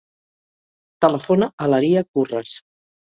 Telefona a l'Aria Curras.